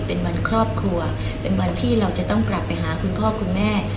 เป็นวันครอบครัวเป็นวันที่เราจะต้องกลับไปหาคุณพ่อคุณแม่